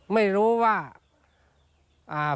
ไม่รู้ว่า